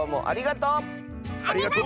ありがとう！